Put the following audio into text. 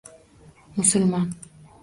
Musulmon.